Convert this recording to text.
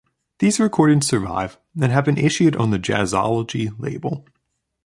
These recordings survive, and have been issued on the Jazzology label.